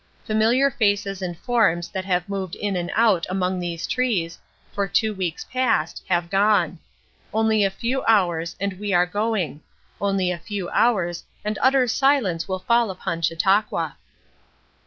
Familiar faces and forms that have moved in and out among these trees, for two weeks past, have gone. Only a few hours and we are going; only a few hours and utter silence will fall upon Chautauqua."